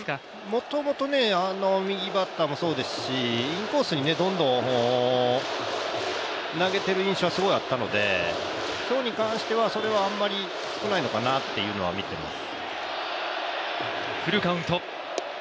もともと右バッターもそうですしインコースにどんどん投げている印象はすごいあったので今日に関してはそれはあんまり少ないのかなというふうに見ています。